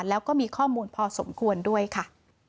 แล้วก็มีข้อมูลพอสมควรด้วยค่ะ